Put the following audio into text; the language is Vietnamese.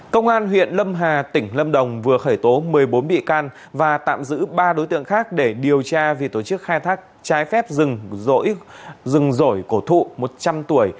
công an huyện lâm hà tỉnh lâm đồng vừa khởi tố một mươi bốn bị can và tạm giữ ba đối tượng khác để điều tra vì tổ chức khai thác trái phép rừng rỗi rừng rổi cổ thụ một trăm linh tuổi